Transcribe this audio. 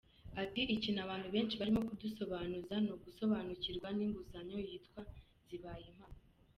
Ati “Ikintu abantu benshi barimo kudusobanuza ni ugusobanukirwa n’inguzanyo yitwa ‘Zibaye Impamo’.